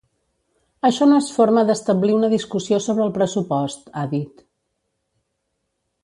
Això no es forma d’establir una discussió sobre el pressupost, ha dit.